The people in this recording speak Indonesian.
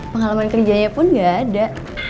pengalaman kerjanya pun gak ada